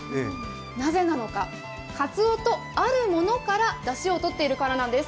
なぜなのか、かつおとあるものからだしをとっているからなんです。